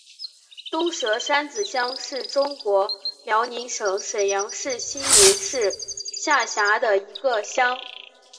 东蛇山子乡是中国辽宁省沈阳市新民市下辖的一个乡。